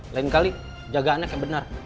lain kali jaga anak yang benar